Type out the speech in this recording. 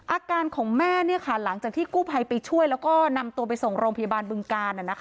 อาการของแม่หลังจากที่กู้ภัยไปช่วยแล้วก็นำตัวไปส่งโรงพยาบาลบึงกาล